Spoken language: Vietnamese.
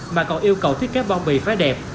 mà còn yêu cầu thiết kế bao bì phá đẹp